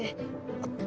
あっ！